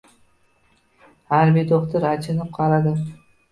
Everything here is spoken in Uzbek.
Harbiy do‘xtir achinib qaradi